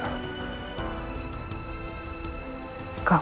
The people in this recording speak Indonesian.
kamu gak punya ktp